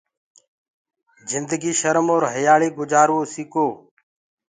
جندگي شرم اور هيآݪي گجآروو سيڪو